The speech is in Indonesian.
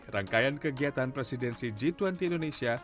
rangkaian kegiatan presidensi g dua puluh indonesia